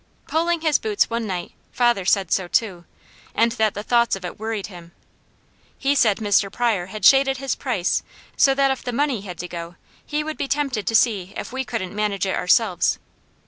Pulling his boots one night, father said so too, and that the thoughts of it worried him. He said Mr. Pryor had shaded his price so that if the money had to go, he would be tempted to see if we couldn't manage it ourselves.